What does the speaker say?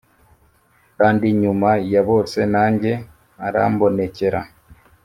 kandi nyuma ya bose nanjye arambonekera